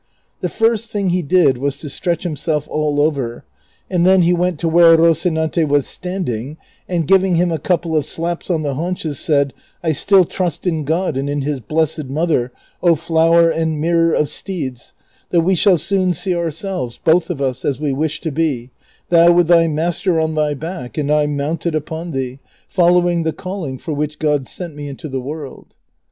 The first thing he did Avas to stretch himself all over, and then he went to where Rocinante was standing and giving him a couple of slaps on the haunches said, " I still trust in God and in his blessed mother, 0 flower and mirror of steeds, that we shall soon see ourselves, both of us, as we wish to be, thou with thy master on thy back, and I mounted upon thee, following the Vol. I.— 27 418 DON QUIXOTE. calling for wliicli God sent me into the world."